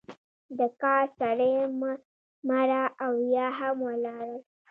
د کار سړی مړه او یا هم ولاړل.